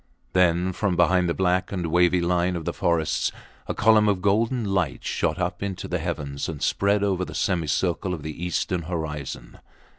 Then from behind the black and wavy line of the forests a column of golden light shot up into the heavens and spread over the semicircle of the eastern horizon.